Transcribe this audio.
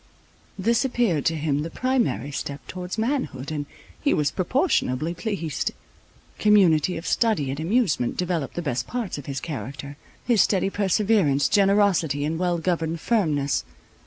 This appeared to him the primary step towards manhood, and he was proportionably pleased. Community of study and amusement developed the best parts of his character, his steady perseverance, generosity, and well governed firmness.